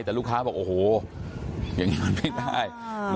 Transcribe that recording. แต่ลูกค้าบอกโอ้โหอย่างนี้มันไม่ได้